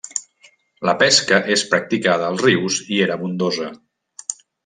La pesca es practicava als rius i era abundosa.